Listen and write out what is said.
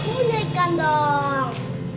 aku pengen ikan dong